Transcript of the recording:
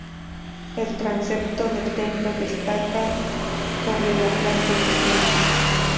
El transepto del templo destaca sobre la planta del templo.